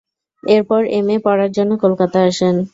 এরপর এমএ পড়ার জন্য কলকাতা আসেন।